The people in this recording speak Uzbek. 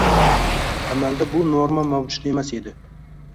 Amalda bu norma mavjud emas edi